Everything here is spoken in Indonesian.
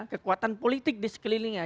kekuatan politik di sekelilingnya